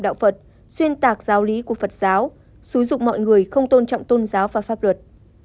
đạo phật xuyên tạc giáo lý của phật giáo xúi dụng mọi người không tôn trọng tôn giáo và pháp luật